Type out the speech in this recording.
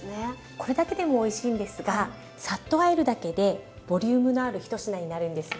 これだけでもおいしいんですがさっとあえるだけでボリュームのある一品になるんですよ。